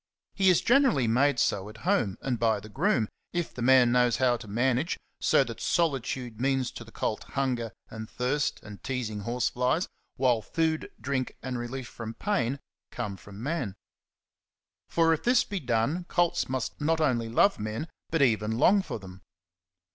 He is generally made so at home and by the groom, if the man knows how to manage so that solitude means to the colt hunger and thirst and teasing horseflies, while food, drink, and relief from pain come from man. For if this be done, colts must not only love men, but even long for them.